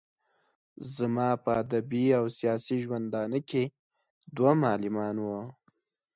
زما په ادبي او سياسي ژوندانه کې دوه معلمان وو.